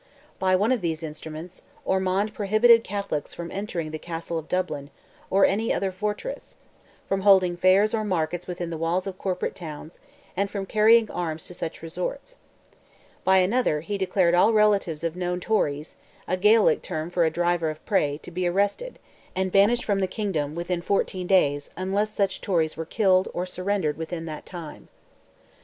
By one of these instruments, Ormond prohibited Catholics from entering the Castle of Dublin, or any other fortress; from holding fairs or markets within the walls of corporate towns, and from carrying arms to such resorts. By another, he declared all relatives of known Tories—a Gaelic term for a driver of prey—to be arrested, and banished the kingdom, within fourteen days, unless such Tories were killed, or surrendered, within that time.